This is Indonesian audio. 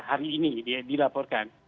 jadi menurut saya kita harus